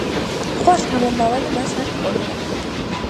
სხვა შთამომავალი მას არ ჰყოლია.